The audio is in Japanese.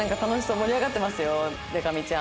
盛り上がってますよでか美ちゃん。